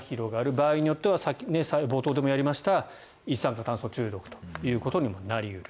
場合によっては冒頭でもやりました一酸化炭素中毒ということにもなり得る。